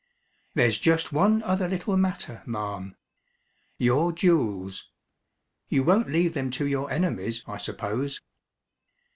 "There's just one other little matter, ma'am your jewels. You won't leave them to your enemies, I suppose?"